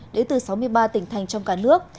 đến từ sáu mươi ba tỉnh thành trong cả nước